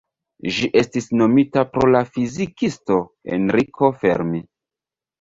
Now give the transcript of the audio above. Ĝi estis nomita pro la fizikisto, Enrico Fermi.